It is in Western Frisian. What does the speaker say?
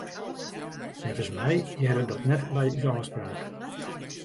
Neffens my hearde dat net by ús ôfspraak.